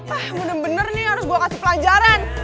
ah bener bener nih harus gue kasih pelajaran